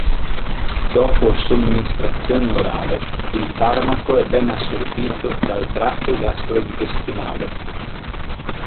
Dopo somministrazione orale il farmaco è ben assorbito dal tratto gastrointestinale.